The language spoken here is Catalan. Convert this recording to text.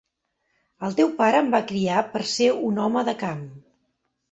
El teu pare em va criar per ser un home de camp.